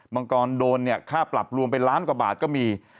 มังกรโดนเนี่ยค่าปรับรวมเป็นล้านกว่าบาทก็มี